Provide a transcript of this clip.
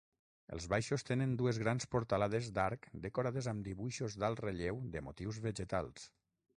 Els baixos tenen dues grans portalades d'arc decorades amb dibuixos d'alt relleu de motius vegetals.